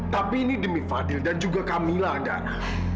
tapi ini demi fadil dan juga kamila darah